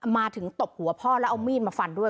มาถึงตบหัวพ่อแล้วเอามีดมาฟันด้วย